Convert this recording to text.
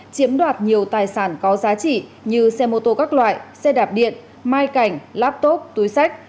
chiếm đoạt nhiều tài sản có giá trị như xe mô tô các loại xe đạp điện mai cảnh laptop túi sách